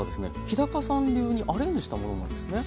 日さん流にアレンジしたものなんですね？